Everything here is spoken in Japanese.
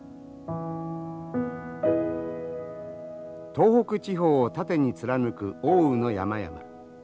東北地方を縦に貫く奥羽の山々。